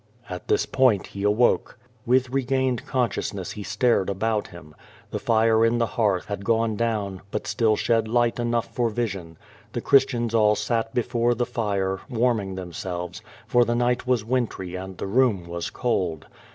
At this point he awoke. With regained consciousness ho stared about him. The fire in the heartli had gone down, Imt still shed light enough for vision. The Christians all sat be fore the fire warming themselves, for the night was wintry and the room was cold.